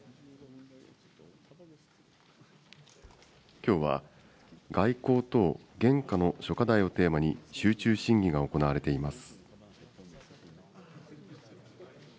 きょうは外交等現下の諸課題をテーマに、集中審議が行われています。